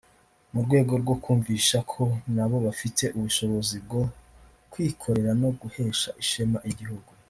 mu rwego rwo kubumvisha ko nabo bafite ubushobozi bwo kwikorera no guhesha ishema igihugu